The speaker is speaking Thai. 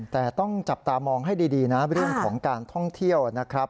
แต่ต้องจับตามองให้ดีนะเรื่องของการท่องเที่ยวนะครับ